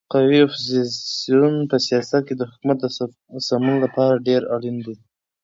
قوي اپوزیسیون په سیاست کې د حکومت د سمون لپاره ډېر اړین دی.